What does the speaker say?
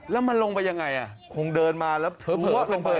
แล้วมันลงไปยังไงคงเดินมาแล้วเผลอลงไป